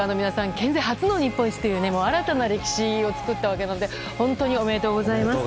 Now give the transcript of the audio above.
県勢初の日本一で新たな歴史を作ったわけなので本当におめでとうございます。